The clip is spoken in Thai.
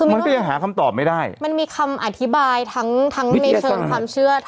มันก็ยังหาคำตอบไม่ได้มันมีคำอธิบายทั้งทั้งในเชิงความเชื่อ